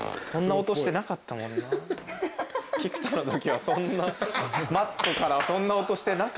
菊田のときはマットからそんな音してなかったぞ。